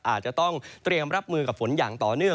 อาจจะต้องเตรียมรับมือกับฝนอย่างต่อเนื่อง